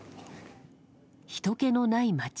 ひとけのない街。